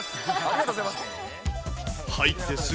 ありがとうございます。